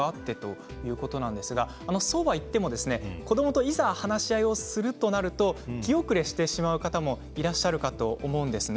そうはいっても子どもといざ話し合いをするとなると気後れしてしまう方もいらっしゃるかと思うんですね。